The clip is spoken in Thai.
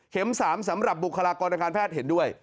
๓สำหรับบุคลากรทางการแพทย์เห็นด้วย